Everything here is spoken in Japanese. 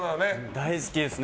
大好きですね。